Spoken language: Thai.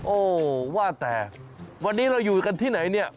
โอ้ว่าแต่วันนี้เราอยู่กันที่ไหนเนี่ย